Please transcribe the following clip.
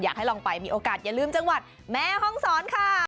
อยากให้ลองไปมีโอกาสอย่าลืมจังหวัดแม่ห้องศรค่ะ